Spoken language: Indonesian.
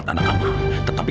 ya terima kasih